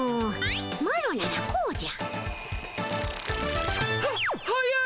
マロならこうじゃ。